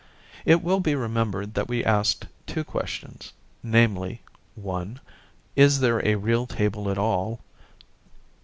It will be remembered that we asked two questions; namely, (1) Is there a real table at all?